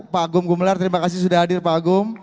pak agung gumelar terima kasih sudah hadir pak agung